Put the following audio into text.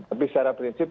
tapi secara prinsip